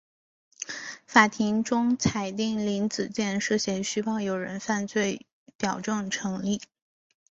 法庭终裁定林子健涉嫌虚报有人犯罪表证成立。